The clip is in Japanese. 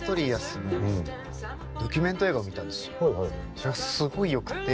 それがすごいよくて。